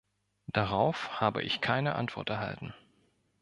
Darauf habe ich keine Antwort erhalten.